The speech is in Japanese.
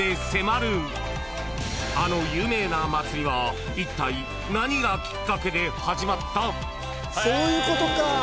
［あの有名な祭りはいったい何がきっかけで始まった！？］